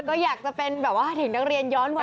ก็อยากจะเป็นแบบว่าถึงนักเรียนย้อนวัย